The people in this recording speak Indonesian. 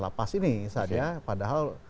lapas ini saja padahal